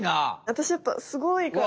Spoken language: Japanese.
私やっぱすごいから！